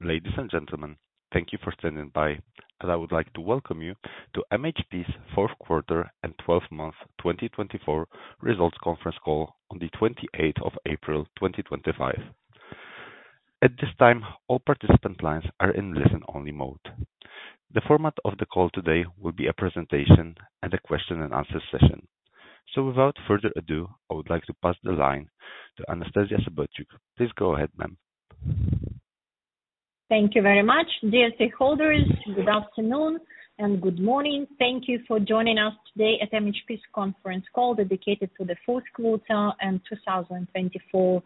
Ladies and gentlemen, thank you for standing by, as I would like to welcome you to MHP's Fourth Quarter and Twelve Months 2024 Results Conference Call on the 28th of April 2025. At this time, all participant lines are in listen-only mode. The format of the call today will be a presentation and a question-and-answer session. Without further ado, I would like to pass the line to Anastasiya Sobotyuk. Please go ahead, ma'am. Thank you very much, dear stakeholders. Good afternoon and good morning. Thank you for joining us today at MHP's conference call dedicated to the fourth quarter and 2024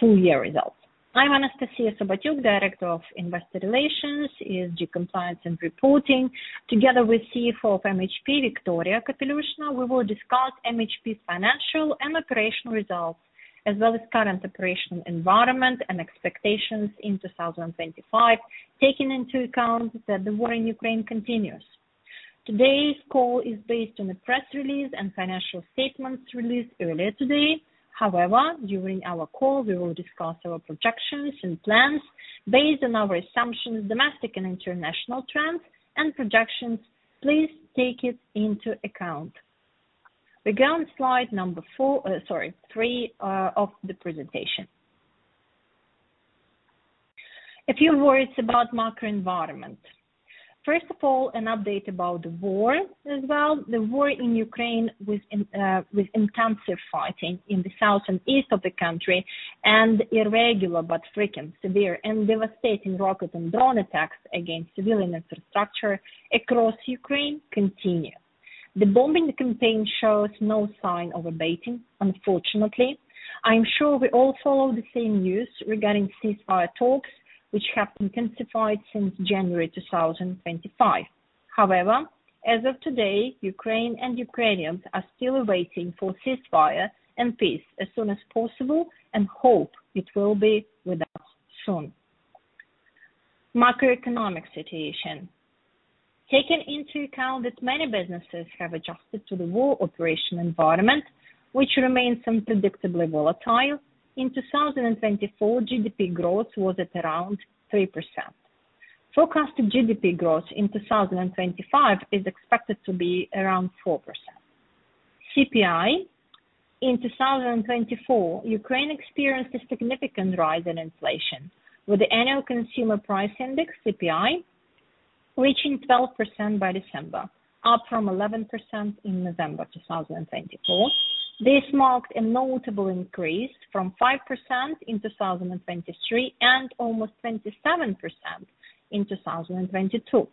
full-year results. I'm Anastasiya Sobotyuk, Director of Investor Relations, ESG Compliance and Reporting. Together with CFO of MHP, Viktoria Kapelyushnaya, we will discuss MHP's financial and operational results, as well as current operational environment and expectations in 2025, taking into account that the war in Ukraine continues. Today's call is based on a press release and financial statements released earlier today. However, during our call, we will discuss our projections and plans based on our assumptions, domestic and international trends, and projections. Please take it into account. We go on slide number four, sorry, three of the presentation. A few words about the macro environment. First of all, an update about the war as well. The war in Ukraine with intensive fighting in the south and east of the country and irregular but freaking severe and devastating rocket and drone attacks against civilian infrastructure across Ukraine continue. The bombing campaign shows no sign of abating, unfortunately. I'm sure we all follow the same news regarding ceasefire talks, which have intensified since January 2025. However, as of today, Ukraine and Ukrainians are still waiting for ceasefire and peace as soon as possible and hope it will be with us soon. Macroeconomic situation. Taking into account that many businesses have adjusted to the war operation environment, which remains unpredictably volatile, in 2024, GDP growth was at around 3%. Forecasted GDP growth in 2025 is expected to be around 4%. CPI. In 2024, Ukraine experienced a significant rise in inflation, with the Annual Consumer Price Index, CPI, reaching 12% by December, up from 11% in November 2024. This marked a notable increase from 5% in 2023 and almost 27% in 2022.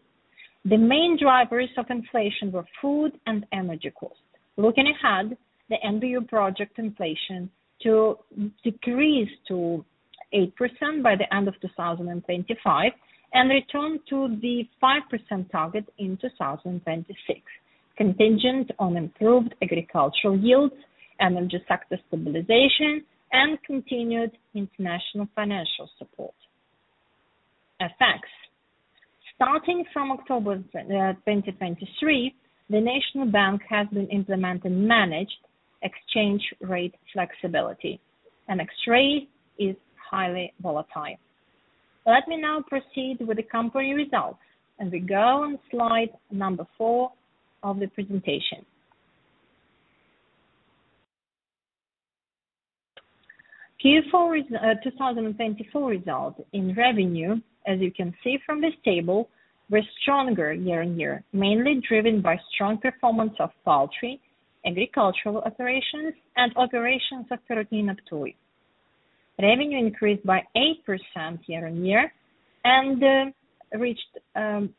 The main drivers of inflation were food and energy costs. Looking ahead, the NBU project inflation to decrease to 8% by the end of 2025 and return to the 5% target in 2026, contingent on improved agricultural yields, energy sector stabilization, and continued international financial support effects. Starting from October 2023, the National Bank has been implementing managed exchange rate flexibility. MHP is highly volatile. Let me now proceed with the company results, and we go on slide number four of the presentation. Q4 2024 results in revenue, as you can see from this table, were stronger year on year, mainly driven by strong performance of poultry, agricultural operations, and operations of Perutnina Ptuj. Revenue increased by 8% year on year and reached around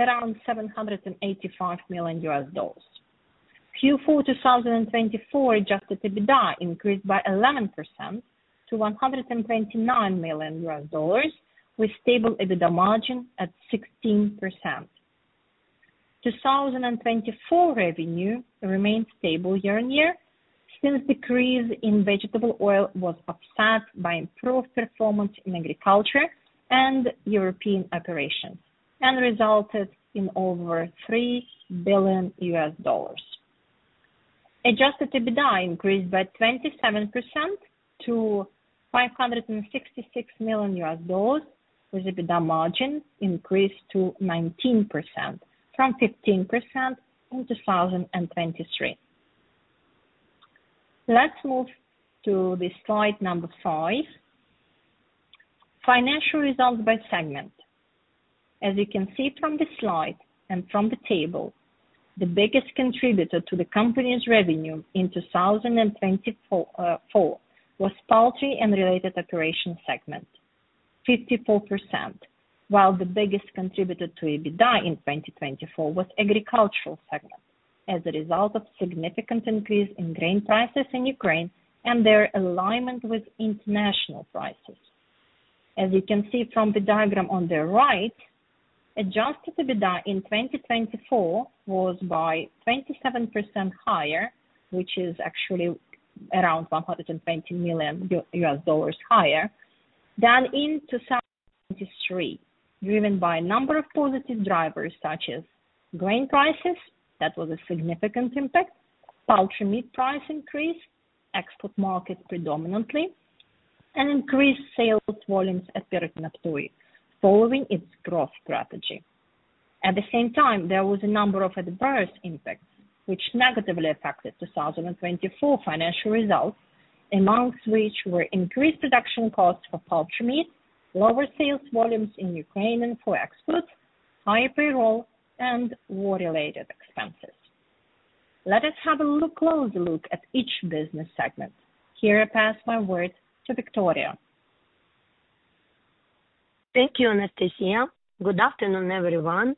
$785 million U.S. dollars. Q4 2024 adjusted EBITDA increased by 11% to $129 million, with stable EBITDA margin at 16%. 2024 revenue remained stable year on year since decrease in vegetable oil was offset by improved performance in agriculture and European operations and resulted in over $3 billion. Adjusted EBITDA increased by 27% to $566 million, with EBITDA margin increased to 19% from 15% in 2023. Let's move to the slide number five. Financial results by segment. As you can see from the slide and from the table, the biggest contributor to the company's revenue in 2024 was poultry and related operation segment, 54%, while the biggest contributor to EBITDA in 2024 was agricultural segment as a result of significant increase in grain prices in Ukraine and their alignment with international prices. As you can see from the diagram on the right, Adjusted EBITDA in 2024 was by 27% higher, which is actually around $120 million higher than in 2023, driven by a number of positive drivers such as grain prices. That was a significant impact. Poultry meat price increased, export market predominantly, and increased sales volumes at Perutnina Ptuj, following its growth strategy. At the same time, there was a number of adverse impacts which negatively affected 2024 financial results, amongst which were increased production costs for poultry meat, lower sales volumes in Ukraine and for exports, higher payroll, and war-related expenses. Let us have a closer look at each business segment. Here, I pass my word to Viktoria. Thank you, Anastasiya. Good afternoon, everyone.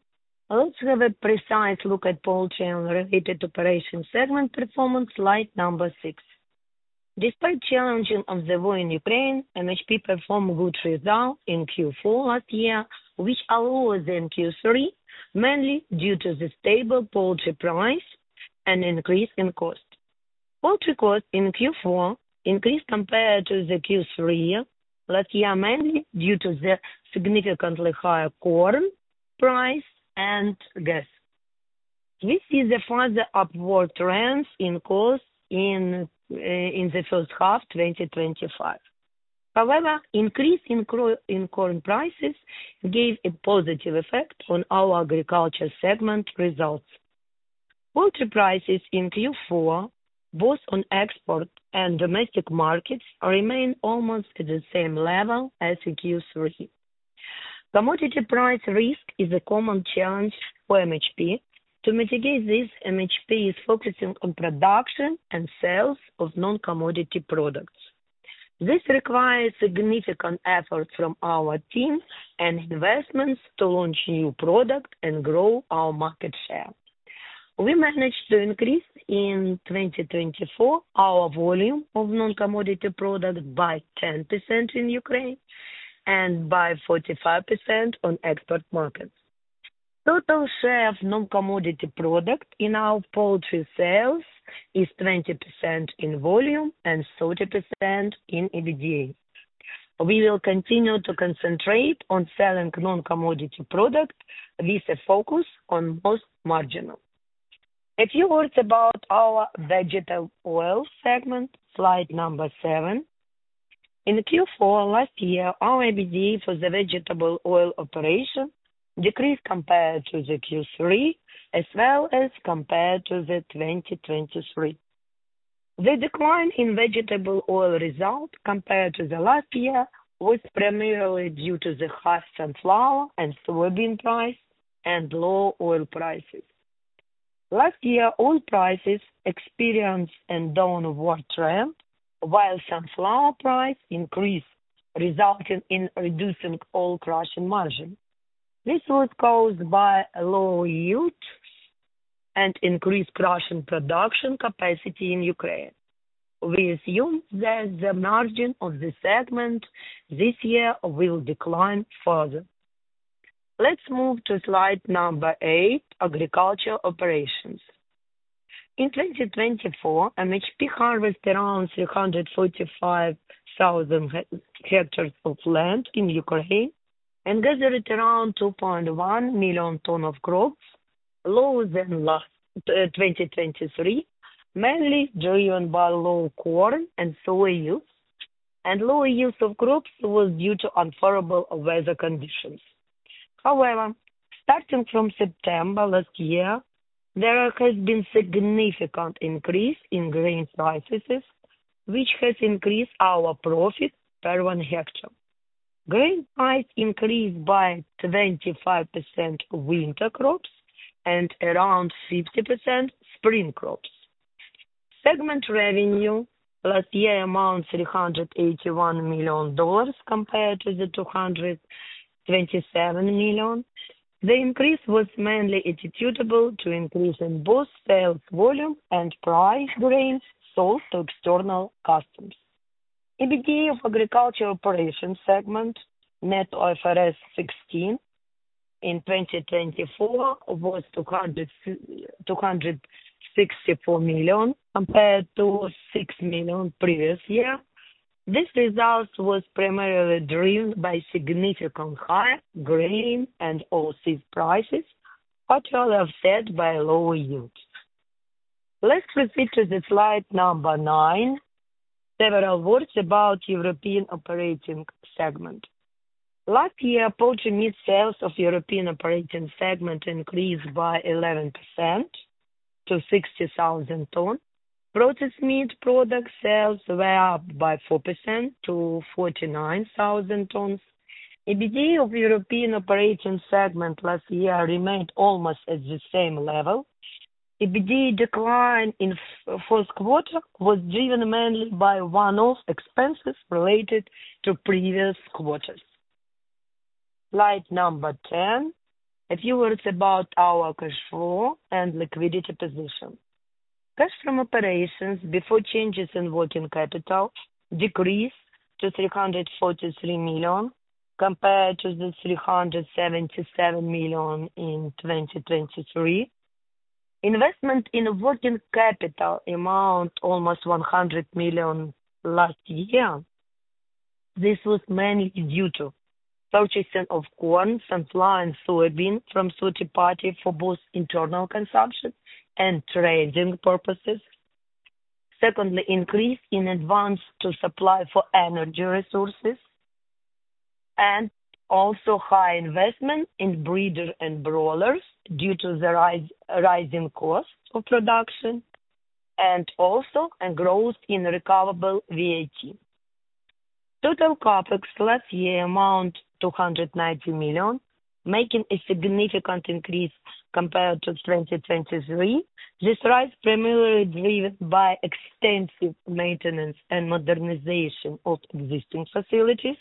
Let's have a precise look at poultry and related operation segment performance, slide number six. Despite challenging of the war in Ukraine, MHP performed good results in Q4 last year, which always in Q3, mainly due to the stable poultry price and increase in cost. Poultry cost in Q4 increased compared to the Q3 last year, mainly due to the significantly higher corn price and gas. We see the further upward trends in costs in the first half of 2025. However, increase in corn prices gave a positive effect on our agriculture segment results. Poultry prices in Q4, both on export and domestic markets, remain almost at the same level as in Q3. Commodity price risk is a common challenge for MHP. To mitigate this, MHP is focusing on production and sales of non-commodity products. This requires significant efforts from our team and investments to launch new products and grow our market share. We managed to increase in 2024 our volume of non-commodity products by 10% in Ukraine and by 45% on export markets. Total share of non-commodity products in our poultry sales is 20% in volume and 30% in EBITDA. We will continue to concentrate on selling non-commodity products with a focus on most marginal. A few words about our vegetable oil segment, slide number seven. In Q4 last year, our EBITDA for the vegetable oil operation decreased compared to Q3, as well as compared to 2023. The decline in vegetable oil results compared to last year was primarily due to the high sunflower and soybean price and low oil prices. Last year, oil prices experienced a downward trend, while sunflower price increased, resulting in reducing oil crushing margin. This was caused by low yields and increased crushing production capacity in Ukraine. We assume that the margin of the segment this year will decline further. Let's move to slide number eight, agriculture operations. In 2024, MHP harvested around 345,000 hectares of land in Ukraine and gathered around 2.1 million tons of crops, lower than last 2023, mainly driven by low corn and soybean yields. Lower yields of crops were due to unfavorable weather conditions. However, starting from September last year, there has been a significant increase in grain prices, which has increased our profit per one hectare. Grain price increased by 25% winter crops and around 50% spring crops. Segment revenue last year amounted to $381 million compared to the $227 million. The increase was mainly attributable to an increase in both sales volume and price of grains sold to external customers. EBITDA of agriculture operation segment, net IFRS 16 in 2024, was $264 million compared to $6 million previous year. This result was primarily driven by significantly higher grain and oil seed prices, but rather offset by lower yields. Let's proceed to slide number nine. Several words about the European operating segment. Last year, poultry meat sales of the European operating segment increased by 11% to 60,000 tons. Processed meat product sales were up by 4% to 49,000 tons. EBITDA of the European operating segment last year remained almost at the same level. EBITDA decline in the fourth quarter was driven mainly by one-off expenses related to previous quarters. Slide number ten. A few words about our cash flow and liquidity position. Cash flow operations before changes in working capital decreased to $343 million compared to the $377 million in 2023. Investment in working capital amounted to almost $100 million last year. This was mainly due to purchasing of corn, sunflower, and soybean from third parties for both internal consumption and trading purposes. Secondly, increase in advance to supply for energy resources and also high investment in breeders and broilers due to the rising cost of production and also a growth in recoverable VAT. Total CapEx last year amounted to $290 million, making a significant increase compared to 2023. This rise is primarily driven by extensive maintenance and modernization of existing facilities,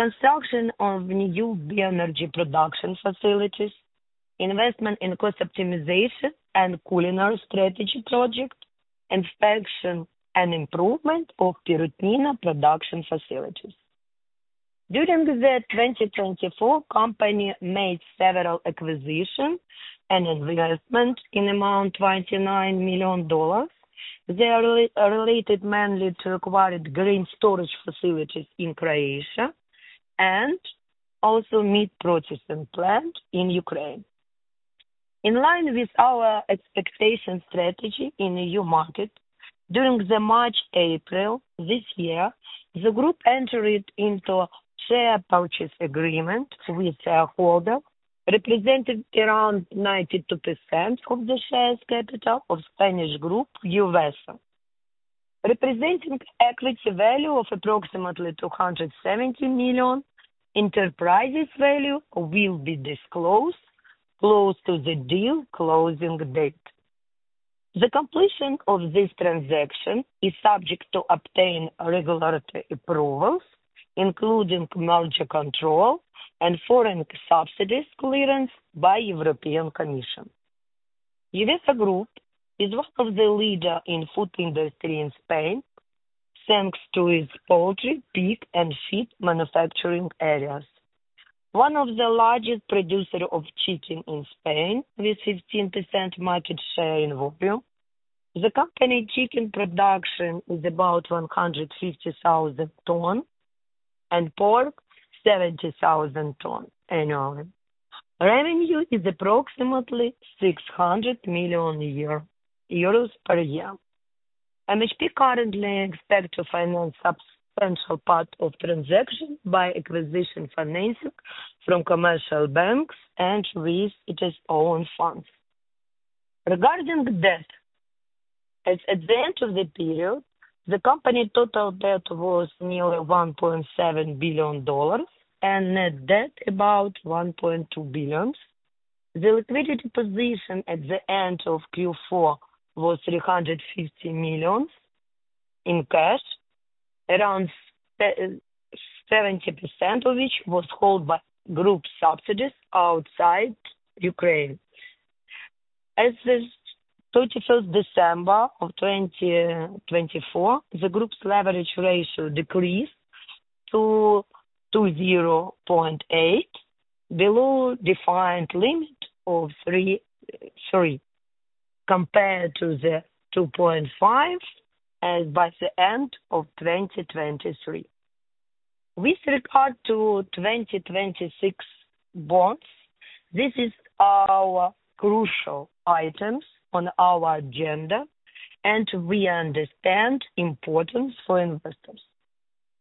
construction of new bioenergy production facilities, investment in cost optimization and culinary strategy projects, and expansion and improvement of protein production facilities. During the 2024, the company made several acquisitions and investments in the amount of $29 million. They are related mainly to acquired grain storage facilities in Croatia and also a meat processing plant in Ukraine. In line with our expectation strategy in the EU market, during March-April this year, the group entered into a share purchase agreement with shareholders, representing around 92% of the share capital of the Spanish group, Uvesa. Representing equity value of approximately $270 million, enterprise value will be disclosed close to the deal closing date. The completion of this transaction is subject to obtaining regulatory approvals, including merger control and foreign subsidies clearance by the European Commission. Uvesa Group is one of the leaders in the food industry in Spain, thanks to its poultry, pig, and sheep manufacturing areas. One of the largest producers of chicken in Spain, with 15% market share in volume. The company's chicken production is about 150,000 tons and pork, 70,000 tons annually. Revenue is approximately 600 million euros per year. MHP currently expects to finance a substantial part of the transaction by acquisition financing from commercial banks and with its own funds. Regarding debt, at the end of the period, the company's total debt was nearly $1.7 billion and net debt about $1.2 billion. The liquidity position at the end of Q4 was $350 million in cash, around 70% of which was held by group subsidiaries outside Ukraine. As of the 31st of December of 2024, the group's leverage ratio decreased to 2.8, below the defined limit of 3.3 compared to the 2.5 as by the end of 2023. With regard to 2026 bonds, this is our crucial item on our agenda, and we understand the importance for investors.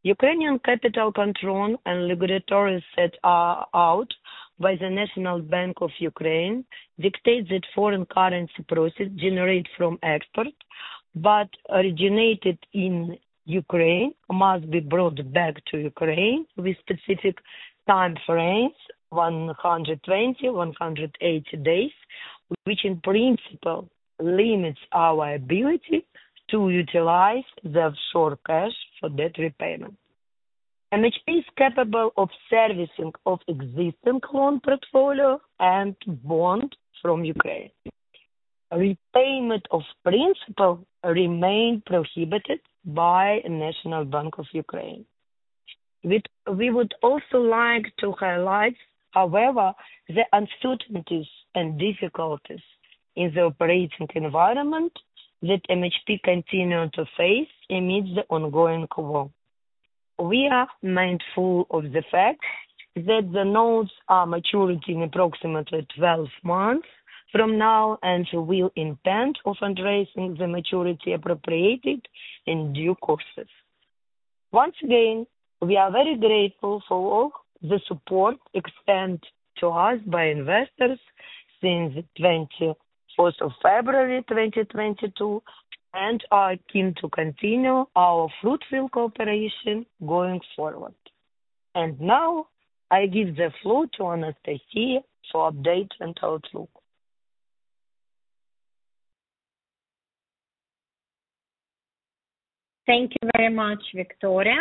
Ukrainian capital control and regulatory that are out by the National Bank of Ukraine dictate that foreign currency processes generated from exports but originated in Ukraine must be brought back to Ukraine with specific time frames, 120-180 days, which in principle limits our ability to utilize the short cash for debt repayment. MHP is capable of servicing an existing loan portfolio and bonds from Ukraine. Repayment of principal remains prohibited by the National Bank of Ukraine. We would also like to highlight, however, the uncertainties and difficulties in the operating environment that MHP continues to face amid the ongoing war. We are mindful of the fact that the notes are maturing in approximately 12 months from now and will intend to address the maturity appropriated in due course. Once again, we are very grateful for all the support extended to us by investors since the 21st of February 2022 and are keen to continue our fruitful cooperation going forward. I give the floor to Anastasiya for updates and outlook. Thank you very much, Viktoria.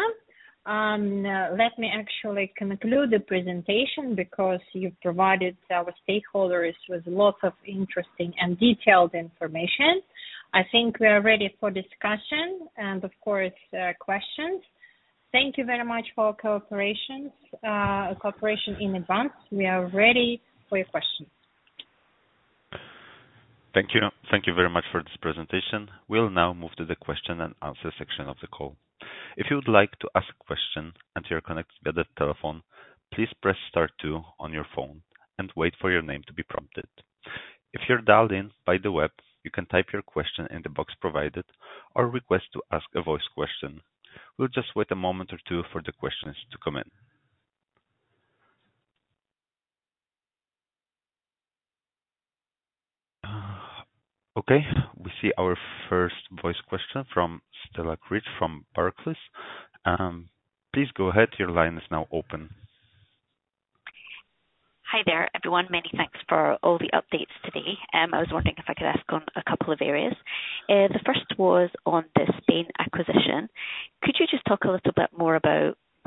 Let me actually conclude the presentation because you have provided our stakeholders with lots of interesting and detailed information. I think we are ready for discussion and, of course, questions. Thank you very much for your cooperation in advance. We are ready for your questions. Thank you. Thank you very much for this presentation. We'll now move to the question and answer section of the call. If you would like to ask a question and you're connected via the telephone, please press star two on your phone and wait for your name to be prompted. If you're dialed in by the web, you can type your question in the box provided or request to ask a voice question. We'll just wait a moment or two for the questions to come in. Okay. We see our first voice question from Stella Cridge from Barclays. Please go ahead. Your line is now open. Hi there, everyone. Many thanks for all the updates today. I was wondering if I could ask on a couple of areas. The first was on the Spain acquisition. Could you just talk a little bit more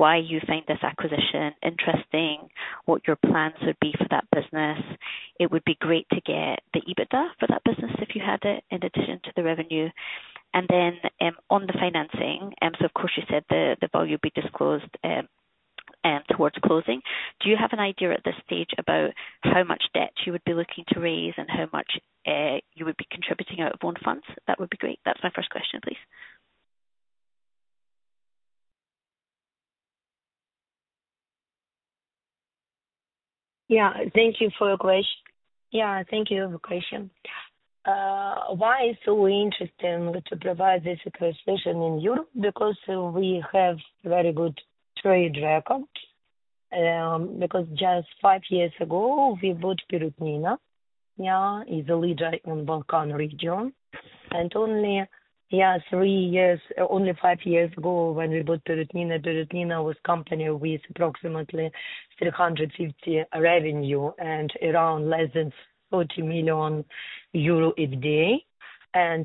about why you find this acquisition interesting, what your plans would be for that business? It would be great to get the EBITDA for that business if you had it, in addition to the revenue. On the financing, of course, you said the value would be disclosed towards closing. Do you have an idea at this stage about how much debt you would be looking to raise and how much you would be contributing out of bond funds? That would be great. That's my first question, please. Thank you for your question. Thank you for your question. Why is it so interesting to provide this acquisition in Europe? Because we have very good trade records. Just five years ago, we bought Perutnina. It is a leader in the Balkan region. Only, three years, only five years ago when we bought Perutnina, Perutnina was a company with approximately 350 million revenue and around less than 40 million euro EBITDA.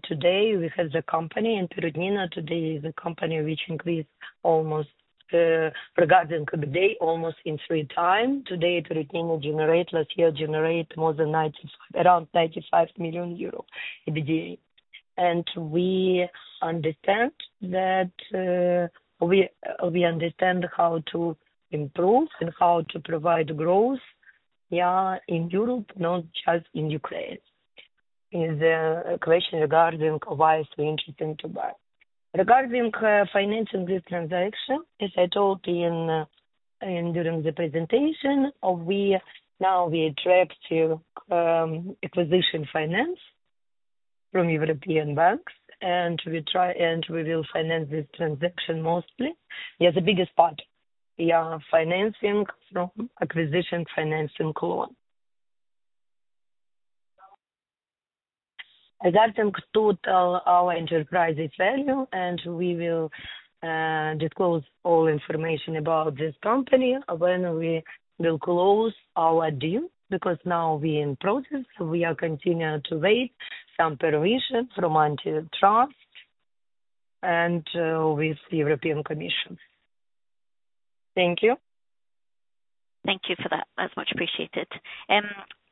Today, we have the company in Perutnina. Today, the company which increased almost, regarding EBITDA, almost in three times. Today, Perutnina generated, last year, generated more than 95 million, around 95 million euro EBITDA. We understand that we understand how to improve and how to provide growth in Europe, not just in Ukraine. The question regarding why is it so interesting to buy. Regarding financing this transaction, as I told during the presentation, now we attract acquisition finance from European banks, and we try and we will finance this transaction mostly. Yeah, the biggest part, yeah, financing from acquisition financing loan. Regarding total our enterprise value, and we will disclose all information about this company when we will close our deal because now we are in process. We are continuing to wait for some permission from Antitrust and with the European Commission. Thank you. Thank you for that. That's much appreciated.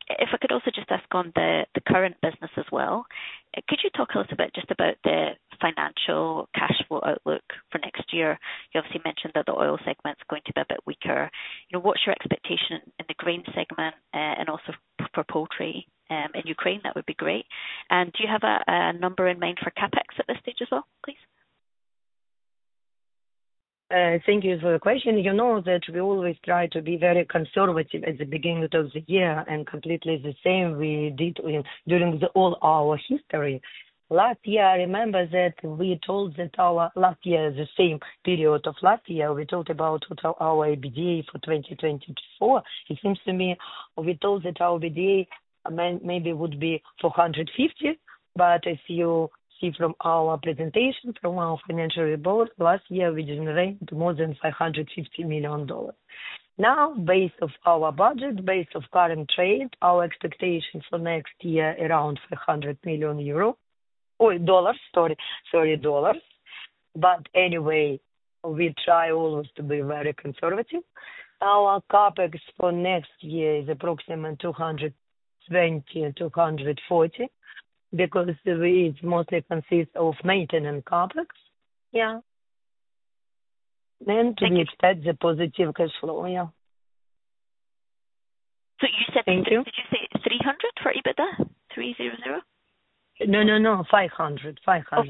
If I could also just ask on the current business as well, could you talk a little bit just about the financial cash flow outlook for next year? You obviously mentioned that the oil segment's going to be a bit weaker. What's your expectation in the grain segment and also for poultry in Ukraine? That would be great. Do you have a number in mind for CapEx at this stage as well, please? Thank you for the question. You know that we always try to be very conservative at the beginning of the year and completely the same we did during all our history. Last year, I remember that we told that our last year, the same period of last year, we talked about our EBITDA for 2024. It seems to me we told that our EBITDA maybe would be $450 million, but if you see from our presentation, from our financial report, last year we generated more than $550 million. Now, based on our budget, based on current trade, our expectation for next year is around $500 million. Oh, dollars, sorry, sorry, dollars. Anyway, we try always to be very conservative. Our CapEx for next year is approximately $220-$240 because it mostly consists of maintaining CapEx. Yeah. And to get that, the positive cash flow, yeah. You said $300 for EBITDA? $300? No, no, no, $500, $500. Oh, $500.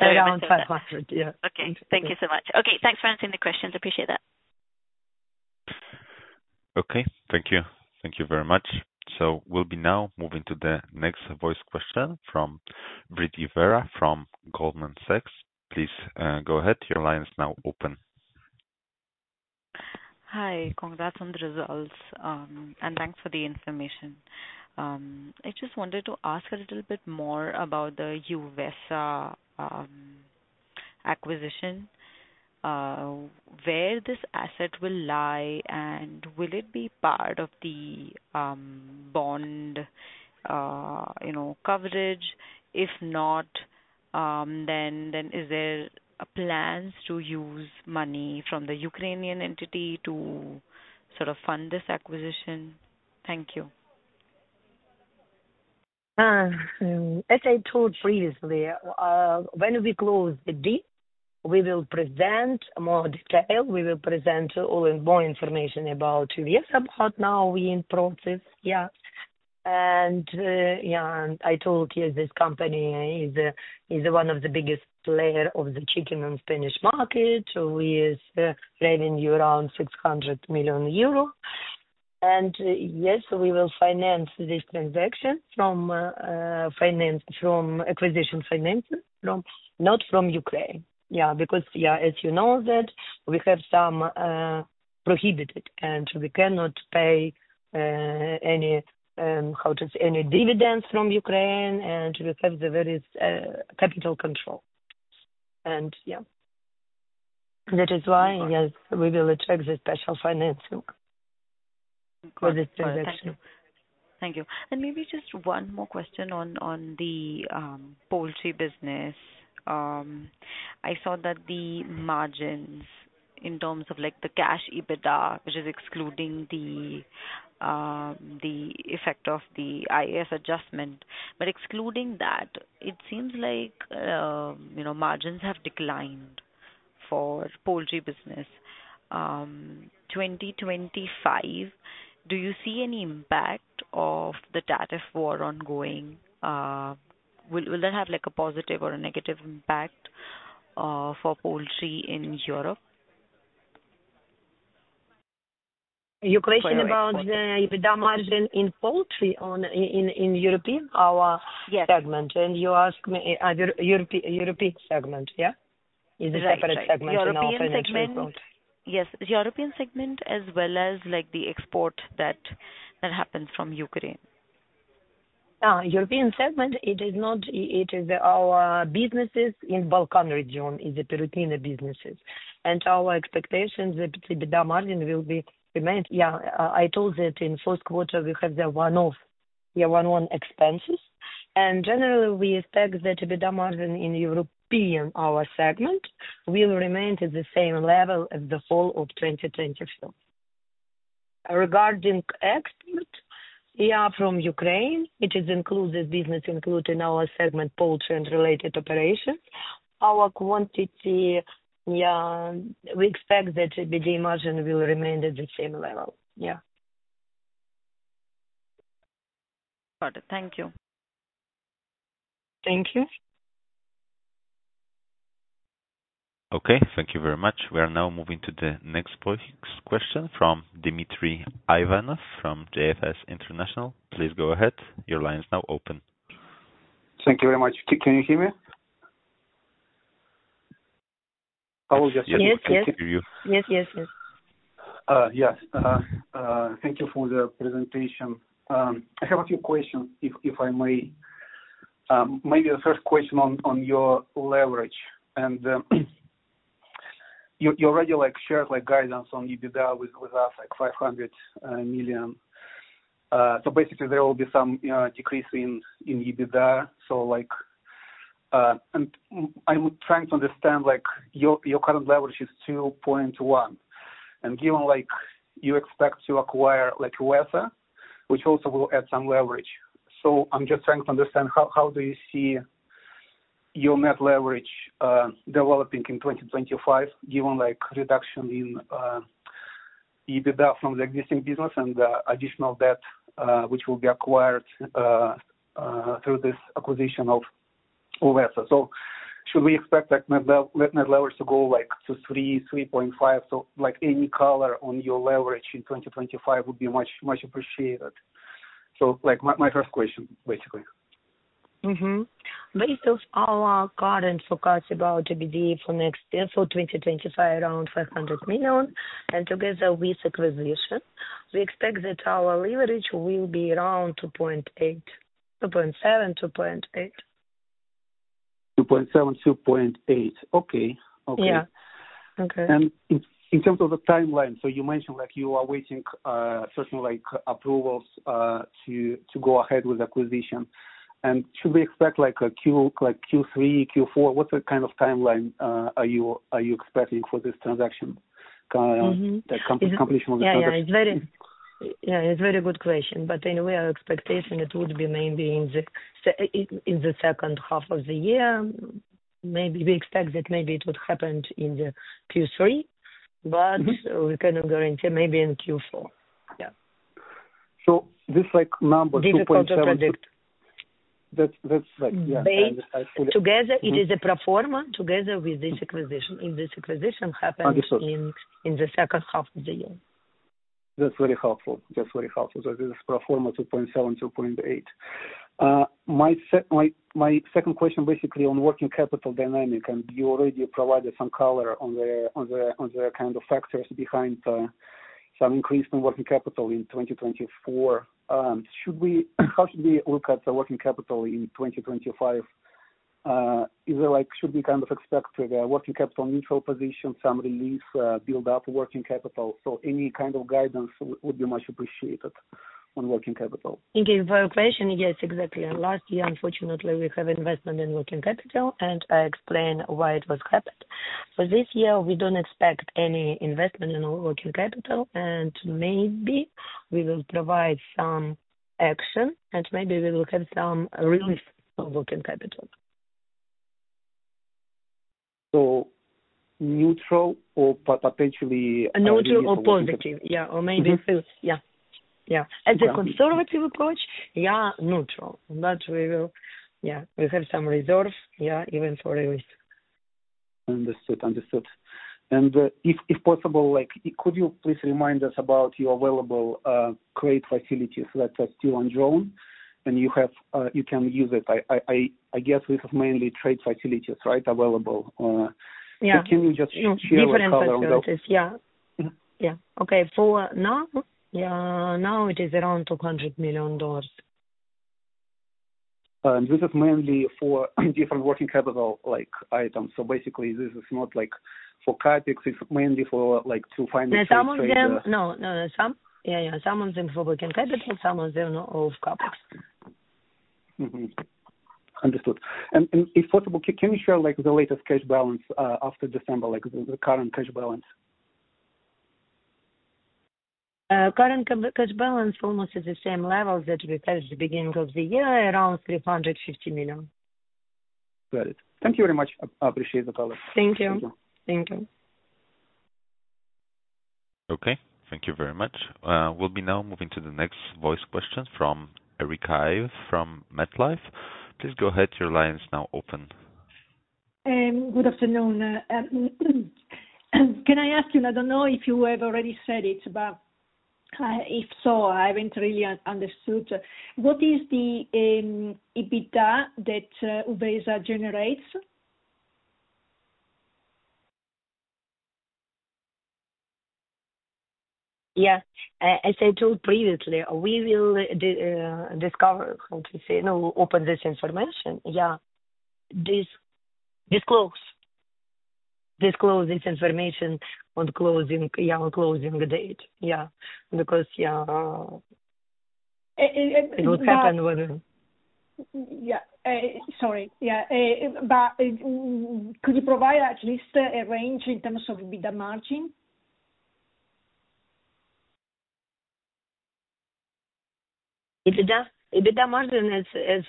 Around $500, yeah. Okay. Thank you so much. Okay. Thanks for answering the questions. Appreciate that. Okay. Thank you. Thank you very much. We will be now moving to the next voice question from Brit Ivera from Goldman Sachs. Please go ahead. Your line is now open. Hi. Congrats on the results, and thanks for the information. I just wanted to ask a little bit more about the Uvesa acquisition, where this asset will lie, and will it be part of the bond coverage? If not, then is there a plan to use money from the Ukrainian entity to sort of fund this acquisition? Thank you. As I told previously, when we close the deal, we will present more detail. We will present all more information about Uvesa. Right now we are in process, yeah. Yeah, I told you this company is one of the biggest players of the chicken and spinach market with revenue around 600 million euro. Yes, we will finance this transaction from acquisition financing, not from Ukraine. Yeah, because, yeah, as you know, that we have some prohibited, and we cannot pay any, how to say, any dividends from Ukraine, and we have the very capital control. Yeah, that is why, yes, we will attract the special financing for this transaction. Thank you. Maybe just one more question on the poultry business. I saw that the margins in terms of the cash EBITDA, which is excluding the effect of the IAS adjustment, but excluding that, it seems like margins have declined for the poultry business. For 2025, do you see any impact of the tariff war ongoing? Will that have a positive or a negative impact for poultry in Europe? Your question about the EBITDA margin in poultry in European, our segment, and you asked me European segment, yeah? Is it a separate segment in European segment? Yes. The European segment as well as the export that happens from Ukraine. Yeah. European segment, it is not, it is our businesses in the Balkan region. It's the Perutnina businesses. Our expectation, the EBITDA margin will remain, yeah, I told that in the first quarter, we have the one-off, yeah, one-on-one expenses. Generally, we expect that EBITDA margin in European, our segment, will remain at the same level as the whole of 2024. Regarding export, yeah, from Ukraine, it is included business, including our segment poultry and related operations. Our quantity, yeah, we expect that EBITDA margin will remain at the same level. Yeah. Got it. Thank you. Thank you. Okay. Thank you very much. We are now moving to the next question from Dmitry Ivanov from JFS International. Please go ahead. Your line is now open. Thank you very much. Can you hear me? I was just. Yes, yes. Interview you. Yes, yes, yes. Yes. Thank you for the presentation. I have a few questions, if I may. Maybe the first question on your leverage. You already shared guidance on EBITDA with us, like $500 million. Basically, there will be some decrease in EBITDA. I'm trying to understand your current leverage is 2.1. Given you expect to acquire Uvesa, which also will add some leverage, I'm just trying to understand how you see your net leverage developing in 2025, given reduction in EBITDA from the existing business and the additional debt which will be acquired through this acquisition of Uvesa. Should we expect net leverage to go to 3-3.5? Any color on your leverage in 2025 would be much appreciated. My first question, basically. Based on our current forecast about EBITDA for next year, so 2025, around $500 million. Together with acquisition, we expect that our leverage will be around 2.8, 2.7-2.8. 2.7, 2.8. Okay. Okay. In terms of the timeline, you mentioned you are waiting, certainly, approvals to go ahead with acquisition. Should we expect Q3, Q4? What kind of timeline are you expecting for this transaction, the completion of the transaction? Yeah. It's a very good question. Anyway, our expectation, it would be maybe in the second half of the year. Maybe we expect that maybe it would happen in Q3, but we cannot guarantee, maybe in Q4. Yeah. This number, 2.7. It's a project. That's like, yeah. Together, it is a pro forma together with this acquisition. If this acquisition happens in the second half of the year. That's very helpful. This is pro forma 2.7, 2.8. My second question, basically, on working capital dynamic. You already provided some color on the kind of factors behind some increase in working capital in 2024. How should we look at the working capital in 2025? Should we kind of expect the working capital neutral position, some release, build-up working capital? Any kind of guidance would be much appreciated on working capital. Thank you for your question. Yes, exactly. Last year, unfortunately, we have investment in working capital, and I explained why it was happened. For this year, we do not expect any investment in working capital. Maybe we will provide some action, and maybe we will have some release of working capital. Neutral or potentially. Neutral or positive. Yeah. Or maybe. Yeah. Yeah. As a conservative approach, yeah, neutral. We have some reserve, yeah, even for release. Understood. Understood. If possible, could you please remind us about your available trade facilities that are still on drone, and you can use it? I guess this is mainly trade facilities, right, available. Can you just share a few colors on this? Yeah. Yeah. Okay. For now, yeah, now it is around $200 million. This is mainly for different working capital items. Basically, this is not for CapEx. It's mainly to finance this transaction. No, no. Yeah, yeah. Some of them for working capital, some of them for CapEx. Understood. If possible, can you share the latest cash balance after December, the current cash balance? Current cash balance almost at the same level that we had at the beginning of the year, around $350 million. Got it. Thank you very much. I appreciate the color. Thank you. Thank you. Thank you. Okay. Thank you very much. We'll be now moving to the next voice question from Erica Ive from MetLife. Please go ahead. Your line is now open. Good afternoon. Can I ask you? I do not know if you have already said it, but if so, I have not really understood. What is the EBITDA that Uvesa generates? Yeah. As I told previously, we will discover, how to say, open this information. Yeah. Disclose. Disclose this information on closing date. Yeah. Because, yeah, it will happen when. Yeah. Sorry. Yeah. Could you provide at least a range in terms of EBITDA margin? EBITDA margin is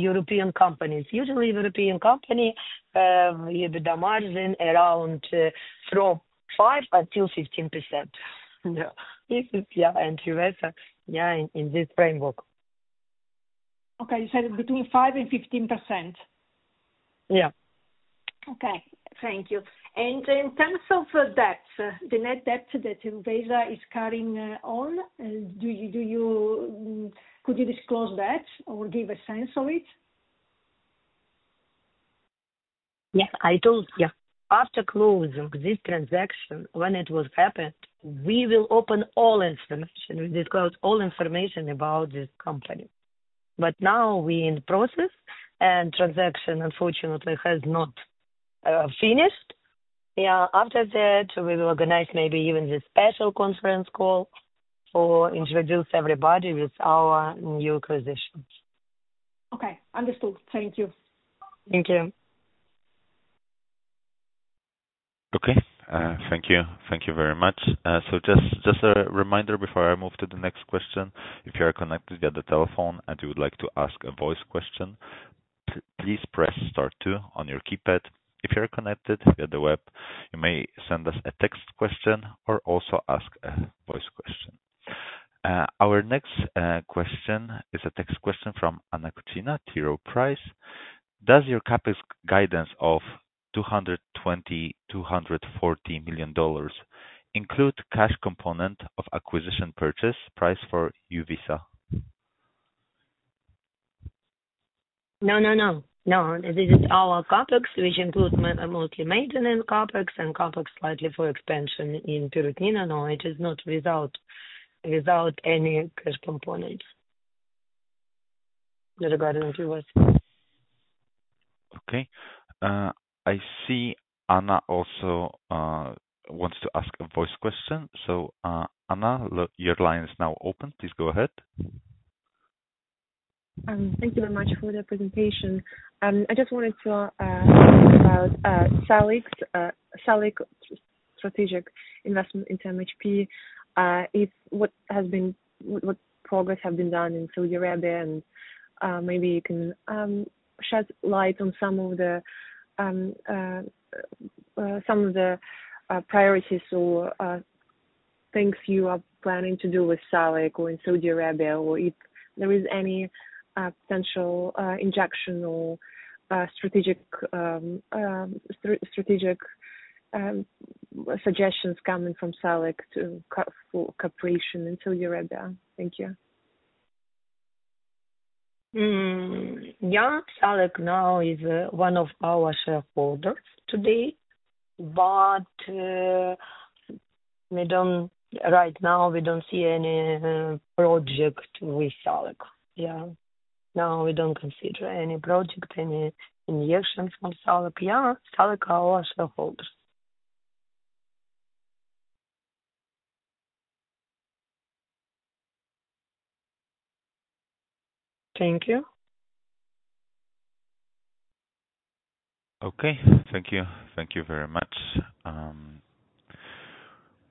European companies. Usually, European company, EBITDA margin around from 5% until 15%. Yeah. And Uvesa, yeah, in this framework. Okay. You said between 5% and 15%? Yeah. Okay. Thank you. In terms of debt, the net debt that Uvesa is carrying on, could you disclose that or give a sense of it? Yeah. I told, yeah, after closing this transaction, when it will happen, we will open all information. We disclose all information about this company. Now we're in the process, and transaction, unfortunately, has not finished. Yeah. After that, we will organize maybe even the special conference call or introduce everybody with our new acquisition. Okay. Understood. Thank you. Thank you. Okay. Thank you. Thank you very much. Just a reminder before I move to the next question. If you are connected via the telephone and you would like to ask a voice question, please press star two on your keypad. If you are connected via the web, you may send us a text question or also ask a voice question. Our next question is a text question from Anna Kuchina, T. Rowe Price. Does your CapEx guidance of $220-$240 million include cash component of acquisition purchase price for Uvesa? No, no, no. No. This is our CapEx, which includes mostly maintenance CapEx and CapEx slightly for expansion in Perutnina. No, it is not without any cash components regarding Uvesa. Okay. I see Anna also wants to ask a voice question. Anna, your line is now open. Please go ahead. Thank you very much for the presentation. I just wanted to ask about SALIC, SALIC Strategic Investment in MHP, what progress has been done in Saudi Arabia. Maybe you can shed light on some of the priorities or things you are planning to do with SALIC or in Saudi Arabia, or if there is any potential injection or strategic suggestions coming from SALIC for cooperation in Saudi Arabia. Thank you. Yeah. SALIC now is one of our shareholders today, but right now, we don't see any project with SALIC. Yeah. No, we don't consider any project, any injection from SALIC. Yeah. SALIC are our shareholders. Thank you. Okay. Thank you. Thank you very much.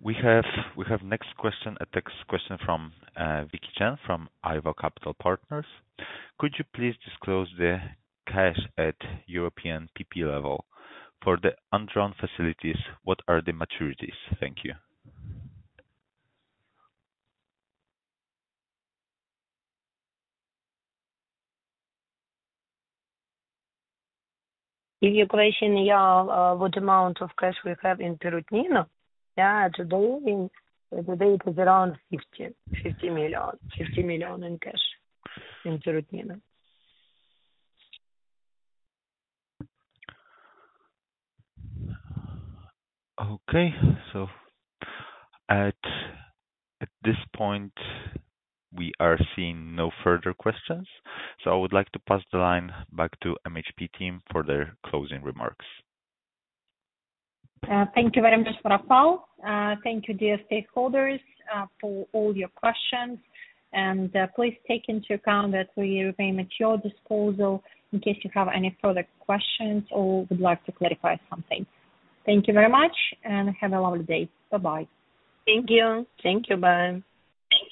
We have next question, a text question from Vicky Chan from IVA Capital Partners. Could you please disclose the cash at European PP level? For the undrawn facilities, what are the maturities? Thank you. If you question what amount of cash we have in Perutnina, yeah, today, it is around 50 million, 50 million in cash in Perutnina. Okay. At this point, we are seeing no further questions. I would like to pass the line back to the MHP team for their closing remarks. Thank you very much for a call. Thank you, dear stakeholders, for all your questions. Please take into account that we remain at your disposal in case you have any further questions or would like to clarify something. Thank you very much, and have a lovely day. Bye-bye. Thank you. Thank you. Bye. Thanks.